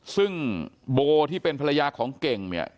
ซึ่งโบที่เป็นภรรยาของเก่งเนี่ย